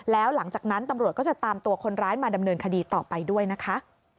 แล้วหลังจากนั้นตำรวจก็จะตามตัวคนร้ายมาดำเนินคดีต่อไปด้วยนะคะ